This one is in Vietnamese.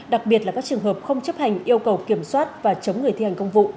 đặc biệt là các trường hợp không chấp hành yêu cầu kiểm soát và chống người thi hành công vụ